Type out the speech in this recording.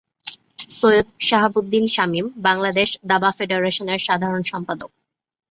সৈয়দ শাহাবুদ্দিন শামীম বাংলাদেশ দাবা ফেডারেশনের সাধারণ সম্পাদক।